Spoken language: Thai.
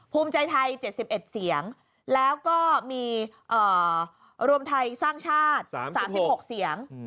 ภูมิใจไทย๗๑เสียงแล้วก็มีรวมไทยสร้างชาติ๓๖เสียง